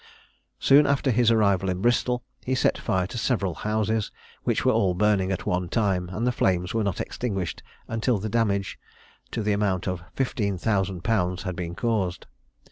Soon after his arrival in Bristol, he set fire to several houses, which were all burning at one time and the flames were not extinguished until damage to the amount of 15,000_l._ had been caused.